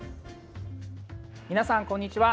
皆さん、こんにちは。